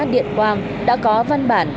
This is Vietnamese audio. điện quang đã có văn bản